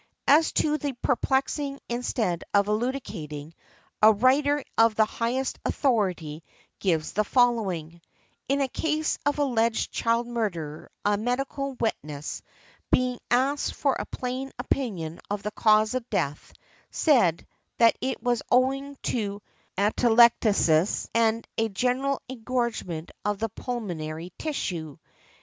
As to the perplexing instead of elucidating, a writer of the highest authority gives the following, "In a case of alleged child murder a medical witness, being asked for a plain opinion of the cause of death, said, that it was owing to 'atelectasis and a general engorgement of the pulmonary tissue'."